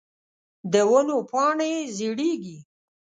د ونو پاڼی زیړیږې